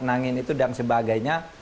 nangin itu dan sebagainya